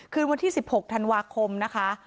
คืนวันที่๑๖ธันวาคมนะคะ